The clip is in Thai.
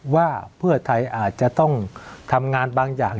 ว่าเพื่อไทยอาจจะต้องทำงานบางอย่าง